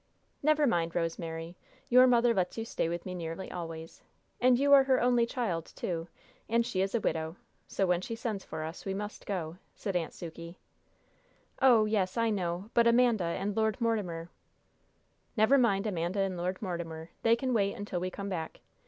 "Never mind, Rosemary. Your mother lets you stay with me nearly always, and you are her only child, too, and she is a widow; so when she sends for us we must go," said Aunt Sukey. "Oh, yes, I know; but Amanda and Lord Mortimer " "Never mind Amanda and Lord Mortimer; they can wait until we come back.